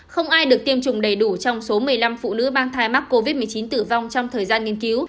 không ai được tiêm chủng đầy đủ trong số một mươi năm phụ nữ mang thai mắc covid một mươi chín tử vong trong thời gian nghiên cứu